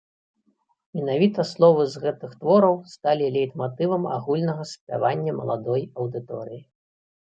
Менавіта словы з гэтых твораў сталі лейтматывам агульнага спявання маладой аўдыторыі.